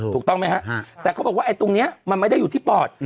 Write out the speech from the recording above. ถูกต้องมั้ยฮะแต่เขาบอกตรงเนี่ยมันไม่ได้อยู่ที่ปรอด